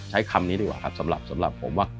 ใช้คำนี้ดีกว่าครับสำหรับผมว่า